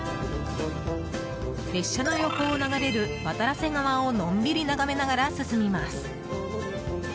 列車の横を流れる渡良瀬川をのんびり眺めながら進みます。